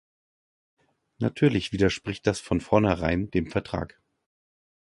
Natürlich widerspricht das von vornherein dem Vertrag.